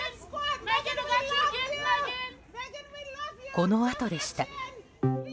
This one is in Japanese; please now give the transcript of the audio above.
このあとでした。